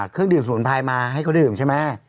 เครื่องดื่มสมุนไพรมาให้เขาดื่มใช่ไหม